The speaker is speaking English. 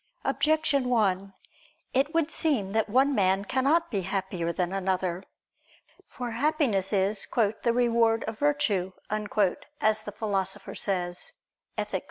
Objection 1: It would seem that one man cannot be happier than another. For Happiness is "the reward of virtue," as the Philosopher says (Ethic.